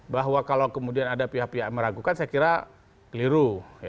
bahwa kalau kemudian ada pihak pihak meragukan saya kira keliru